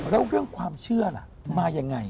แล้วเรื่องความเชื่อล่ะมายังไง